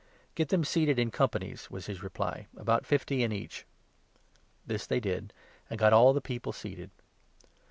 14 "Get them seated in companies," was his reply, "about fifty in each." This they did, and got all the people seated.